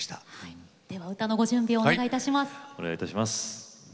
では歌のご準備をお願いいたします。